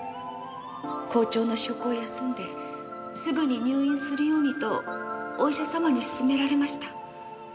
校長の職を休んですぐに入院するようにとお医者様に勧められました。